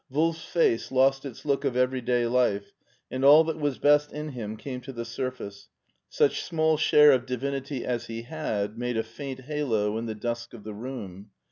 Wolf's face lost its look of everyday life, and all that was best in him came to the surface : such small share of divinity as he had made a faint halo in the dusk of the room.